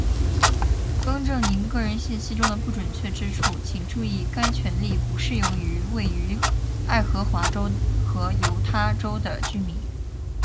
更正您个人信息中的不准确之处，请注意，该权利不适用位于爱荷华州和犹他州的居民；